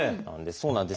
そうなんです